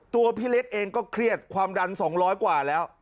ตัวพี่เล็กเองก็เครียดความดัน๒๐๐กว่าแล้ว